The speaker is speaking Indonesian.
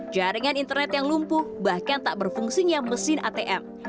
jaringan internet yang lumpuh bahkan tak berfungsinya mesin atm